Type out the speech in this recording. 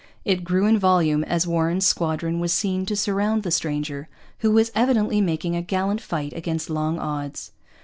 It grew in volume as Warren's squadron was seen to surround the stranger, who was evidently making a gallant fight against long odds.